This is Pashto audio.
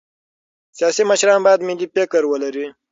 سیاسي مشران باید ملي فکر ولري